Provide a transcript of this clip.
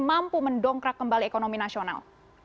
mampu mendongkrak kembali ekonomi nasional